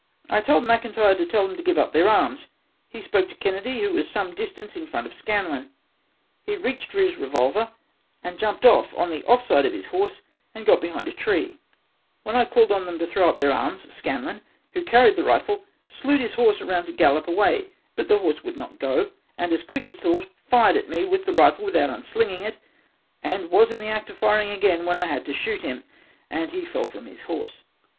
I told McIntyre to tell them to give up their arms, he spoke to Kennedy who was some distance in front of Scanlan he reached for his revolver and jumped off, on the off side of his horse and got behind a tree when I called on them to throw up their arms and Scanlan who carried the rifle slewed his horse around to gallop away but the horse would not go and as quick as thought fired at me with the rifle without unslinging it and was in the act of firing again when I had to shoot him and he fell from his horse.